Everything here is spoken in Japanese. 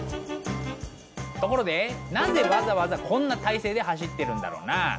ところでなぜわざわざこんな体勢で走ってるんだろうな？